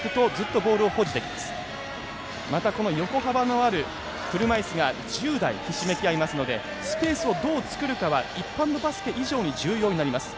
また、横幅のある車いすが１０台ひしめき合うのでスペースをどう作るかは一般のバスケ以上に重要になります。